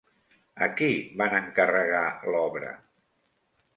A qui van encarregar l'obra?